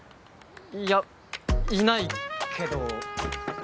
いやいないけど。